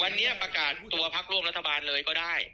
วันนี้ประกาศผู้ตัวพักร่วมรัฐบาลเลยก็ได้